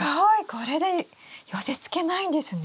これで寄せつけないんですね？